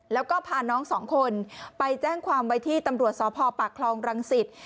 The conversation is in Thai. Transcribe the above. แล้วก็พาน้องสองคนไปแจ้งความไว้ที่ตำรวจสพปากคลองรังสิต